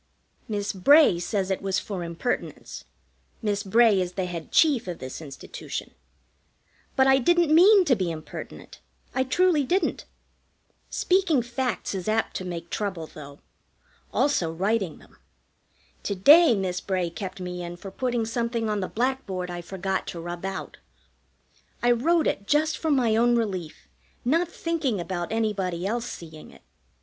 Miss Bray says it was for impertinence (Miss Bray is the Head Chief of this Institution), but I didn't mean to be impertinent. I truly didn't. Speaking facts is apt to make trouble, though also writing them. To day Miss Bray kept me in for putting something on the blackboard I forgot to rub out. I wrote it just for my own relief, not thinking about anybody else seeing it.